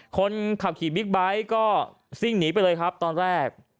คนขับขี่บิ๊กไบท์ก็ซิ่งหนีไปเลยครับตอนแรก